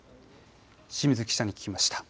清水記者に聞きました。